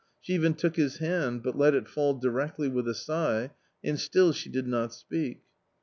She even took his hand, but let it fall directly with a sigh, and still she did not speak.